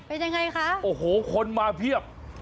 เป็นยังไงคะโอ้โหคนมาเพียบ